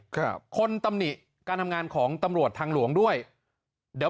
ครับคนตำหนิการทำงานของตำรวจทางหลวงด้วยเดี๋ยว